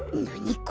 これ。